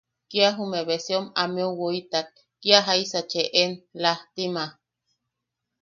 Kia jume beseom ameu woitak, kia jaisa cheʼen... laajtima.